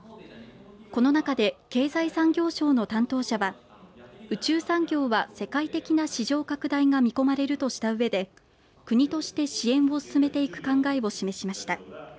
この中で、経済産業省の担当者は宇宙産業は世界的な市場拡大が見込まれるとしたうえで国として支援を進めていく考えを示しました。